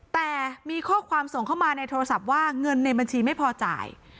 แต่มีข้อความส่งเข้ามาในโทรศัพท์ว่าเงินในบัญชีไม่พอจ่าย